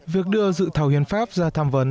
việc đưa dự thảo hiến pháp ra tham vấn